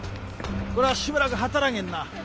これはしばらく働けんな。